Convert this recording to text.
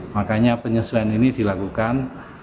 makanya penyesuaian ini dilakukan